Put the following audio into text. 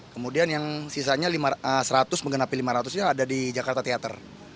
kemudian yang sisanya seratus menggenapi lima ratus nya ada di jakarta theater